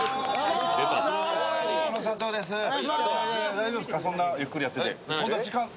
大丈夫ですか、そんなゆっくりやってて。